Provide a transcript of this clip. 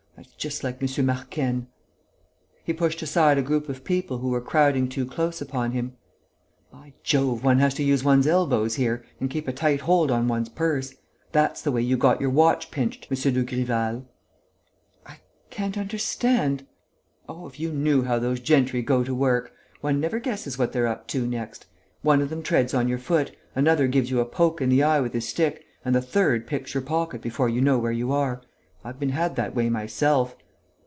That's just like M. Marquenne!..." He pushed aside a group of people who were crowding too close upon him: "By Jove, one has to use one's elbows here and keep a tight hold on one's purse. That's the way you got your watch pinched, M. Dugrival!" "I can't understand...." "Oh, if you knew how those gentry go to work! One never guesses what they're up to next. One of them treads on your foot, another gives you a poke in the eye with his stick and the third picks your pocket before you know where you are.... I've been had that way myself."